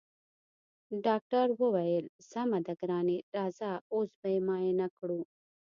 ډاکټرې وويل سمه ده ګرانې راځه اوس به يې معاينه کړو.